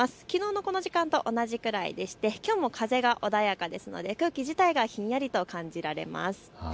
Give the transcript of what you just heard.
きのうのこの時間と同じくらいでしてきょうも風が穏やかですので空気自体がひんやりと感じられます。